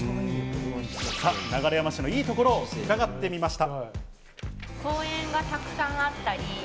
流山市のいいところを伺ってみました。